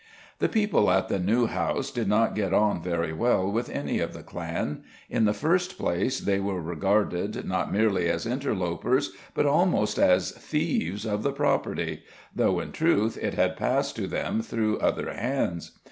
The people at the New House did not get on very well with any of the clan. In the first place, they were regarded not merely as interlopers, but almost as thieves of the property though in truth it had passed to them through other hands.